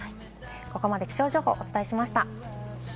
ここまで気象情報をお伝えしました。